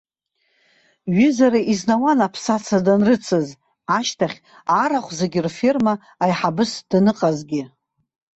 Ҩызара изнауан аԥсаса данрыцыз, ашьҭахь, арахә зегьы рферма аиҳабыс даныҟазгьы.